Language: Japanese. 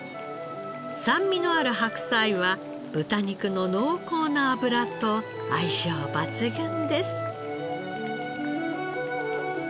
酸味のある白菜は豚肉の濃厚な脂と相性抜群です。